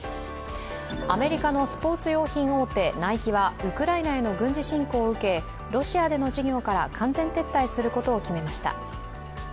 アメリカのスポーツ用品大手ナイキはウクライナへの軍事侵攻を受けロシアでの事業から完全撤退することを決めました。